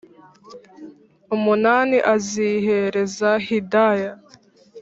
umunani azihereza hidaya